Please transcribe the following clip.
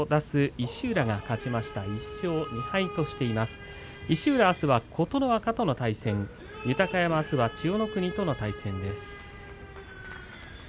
石浦、あすは琴ノ若との対戦豊山、あすは千代の国との対戦です。